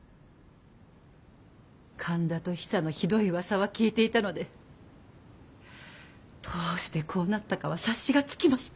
神田とヒサのひどいうわさは聞いていたのでどうしてこうなったかは察しがつきました。